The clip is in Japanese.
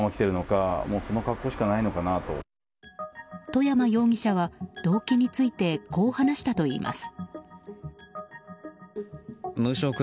外山容疑者は動機についてこう話したといいます。